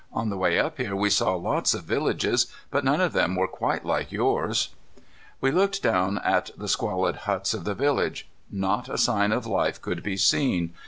On the way up here we saw lots of villages, but none of them were quite like yours." We looked down at the squalid huts of the village. Not a sign of life could be seen.